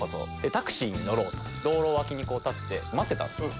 タクシーに乗ろうと思って道路脇に立って待ってたんすね。